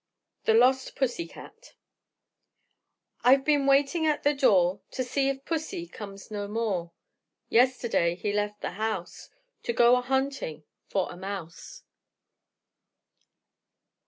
_ THE LOST PUSSY CAT I've been waiting at the door To see if pussy comes no more. Yesterday he left the house To go a hunting for a mouse.